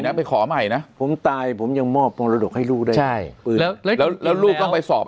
ไปขอใหม่นะผมตายผมยังมอบมรดกให้ลูกได้ใช่ปืนแล้วแล้วลูกต้องไปสอบ